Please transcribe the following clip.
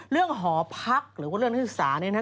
เรื่องหอพักหรือเรื่องนักศึกษา